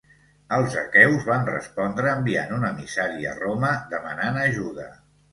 Els aqueus van respondre enviant un emissari a Roma demanant ajuda.